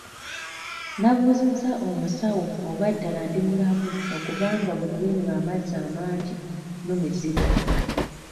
Nabuuzizza omusaawo oba ddala ndi mulamu okubanga buli lwe nnywa amazzi amangi numizibwa?